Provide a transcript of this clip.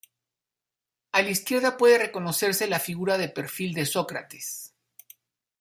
A la izquierda puede reconocerse la figura de perfil de Sócrates.